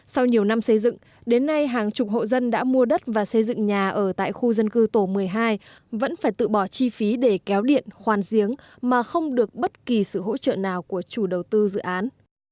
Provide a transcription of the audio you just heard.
sau nhiều năm xây dựng đến nay hàng chục hộ dân đã mua đất và xây dựng nhà ở tại khu dân cư tổ một mươi hai vẫn phải tự bỏ chi phí để kéo điện khoan giếng mà không được bất kỳ sự hỗ trợ nào của chủ đầu tư dự án